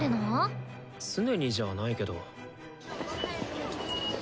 常にじゃないけど。